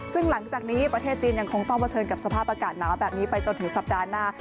ซึ่งหลังจากนี้ประเทศจีนยังคงต้องเผชิญกับสภาพอากาศหนาวแบบนี้ไปจนถึงสัปดาห์หน้า